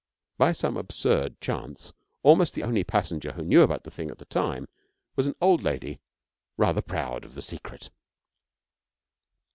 By some absurd chance, almost the only passenger who knew about the thing at the time was an old lady rather proud of the secret.